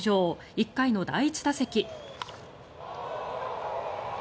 １回の第１打席。